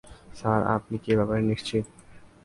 Sir, আপনি কি এ ব্যাপারে নিশ্চিত?